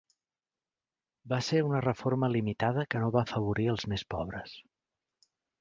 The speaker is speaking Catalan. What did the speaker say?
Va ser una reforma limitada que no va afavorir els més pobres.